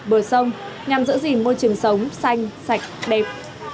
bờ sông nhằm giữ gìn môi trường sống xanh sạch đẹp